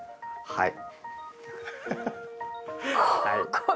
はい。